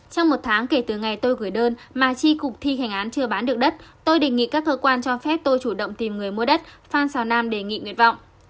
trong một tháng kể từ ngày tôi gửi đơn mà chi cục thi hành án chưa bán được đất tôi đề nghị các cơ quan cho phép tôi chủ động tìm người mua đất phan xào nam đề nghị nguyện vọng